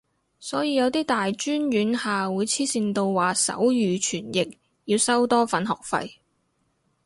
所以有啲大專院校會黐線到話手語傳譯要收多份學費